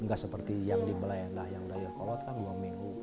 enggak seperti yang di belayangdah yang dari erkolot kan buang minggu